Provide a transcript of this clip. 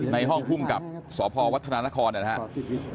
ในห้องภูมิกับสพวัฒนานครนะครับ